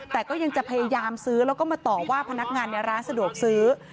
แต่ก็ยังจะพยายามซื้อแล้วก็มาต่อว่าพนักงานในร้านสะดวกซื้อ